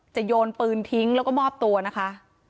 โยนปืนทิ้งแล้วก็มอบตัวนะคะ